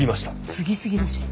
過ぎすぎだし。